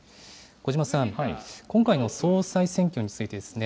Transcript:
小嶋さん、今回の総裁選挙についてですね。